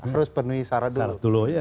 harus penuhi syarat dulu